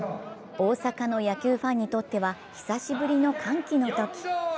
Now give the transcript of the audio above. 大阪の野球ファンにとっては久しぶりの歓喜の時。